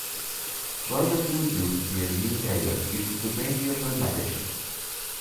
Larger human groups appeared in these areas due to the reindeer herd migration.